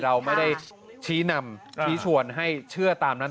เราไม่ได้ชี้นำชี้ชวนให้เชื่อตามนั้น